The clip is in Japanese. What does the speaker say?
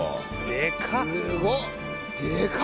でかっ！